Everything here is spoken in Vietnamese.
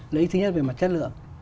lợi ích thứ nhất là về mặt chất lượng